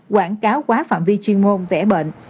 quảng cáo quá phạm vi chuyên môn tẻ bệnh